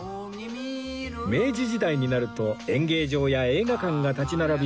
明治時代になると演芸場や映画館が立ち並び